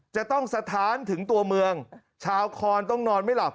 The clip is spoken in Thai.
จะต้องสะท้านถึงตัวเมืองชาวคอนต้องนอนไม่หลับ